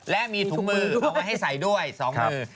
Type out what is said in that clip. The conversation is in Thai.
และมีถุงมือให้ใส่ด้วยสองมือ